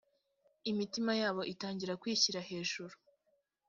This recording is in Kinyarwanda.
imitima yabo itangira kwishyira hejuru